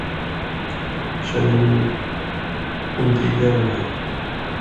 Känner ni inte igen mig?